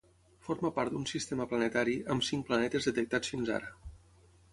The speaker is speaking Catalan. Forma part d'un sistema planetari, amb cinc planetes detectats fins ara.